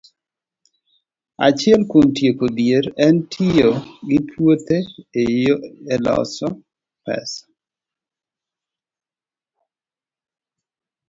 Achiel kuom yore mag tieko dhier en tiyo gi puothe e loso pesa.